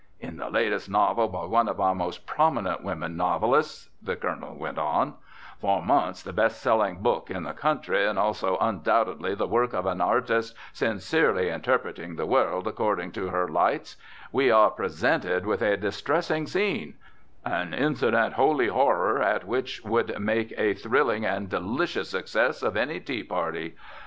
"In the latest novel by one of our most prominent women novelists," the Colonel went on, "for months the best selling book in the country, and also undoubtedly the work of an artist sincerely interpreting the world according to her lights, we are presented with a distressing scene, an incident holy horror at which would make a thrilling and delicious success of any tea party.